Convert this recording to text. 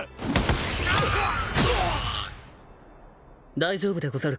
大丈夫でござるか？